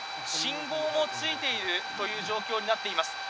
信号もついているという状況になっています